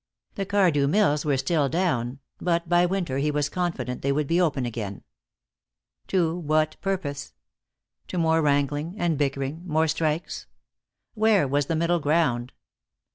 The Cardew Mills were still down, but by winter he was confident they would be open again. To what purpose? To more wrangling and bickering, more strikes? Where was the middle ground?